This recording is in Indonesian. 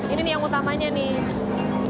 ini nih yang utamanya nih